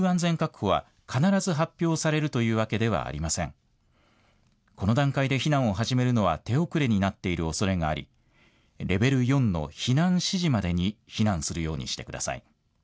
この段階で避難を始めるのは手遅れになっているおそれがありレベル４の避難指示までに避難するようにしてください。